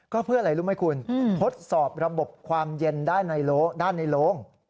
ก็เพื่ออะไรรู้ไหมคุณทดสอบระบบความเย็นได้ในด้านในโลง